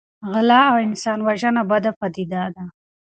غلا او انسان وژنه بده پدیده ده.